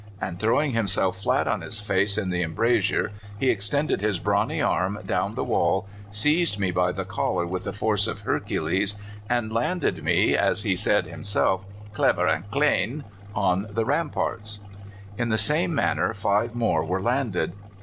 and, throwing himself flat on his face in the embrasure, he extended his brawny arm down the wall, seized me by the collar with the force of Hercules, and landed me, as he said himself, 'clever and clane,' on the ramparts. "In the same manner five more were landed.